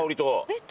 えっ？